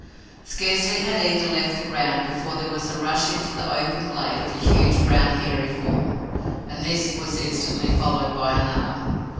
Scarcely had either left the ground before there was a rush into the open glade of a huge brown hairy form, and this was instantly followed by another.